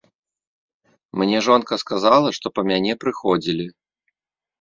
Мне жонка сказала, што па мяне прыходзілі.